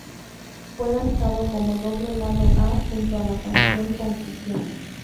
Fue lanzado como doble lado A junto con la canción "Confusión".